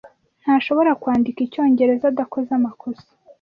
Ntashobora kwandika icyongereza adakoze amakosa.